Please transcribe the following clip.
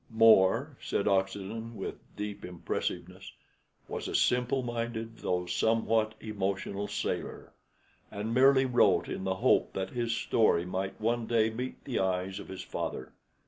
"More," said Oxenden, with deep impressiveness, "was a simple minded though somewhat emotional sailor, and merely wrote in the hope that his story might one day meet the eyes of his father.